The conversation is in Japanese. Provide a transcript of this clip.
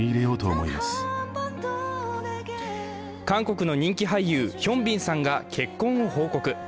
韓国の人気俳優ヒョンビンさんが結婚を報告。